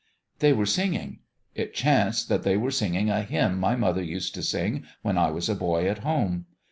"They were singing. It chanced that they were singing a hymn my mother used to sing when I was a boy at home.